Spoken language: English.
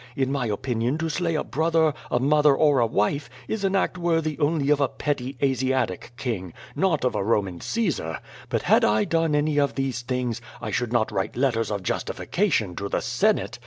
In my opinion to slay a brother, a mother, or a wife, is an act worthy only of a petty Asiatic king — not of a Roman Caesar. But had I done any of these things, I should not write letters of justification to the Senate.